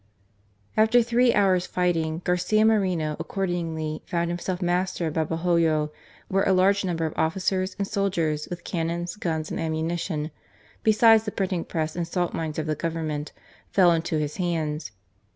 After three hours' fighting, Garcia Moreno accordingly found himself master of Babahoyo, where a large number of officers and soldiers, with cannon, guns, and ammunition (besides the print ing press and salt mines of the Government) fell into his hands.